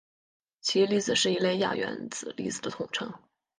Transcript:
奇异粒子是一类亚原子粒子的统称。